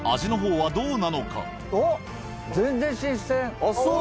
あっそう。